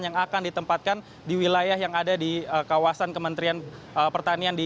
yang akan ditempatkan di wilayah yang ada di kawasan kementerian pertanian